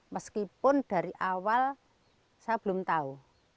meskipun dari awal saya belum tahu